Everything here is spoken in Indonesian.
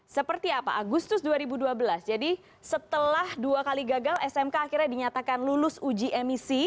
seperti apa agustus dua ribu dua belas jadi setelah dua kali gagal smk akhirnya dinyatakan lulus uji emisi